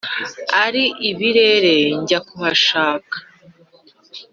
Ari ibirere njya kuhashaka.